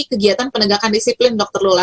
kegiatan penegakan disiplin dokter lula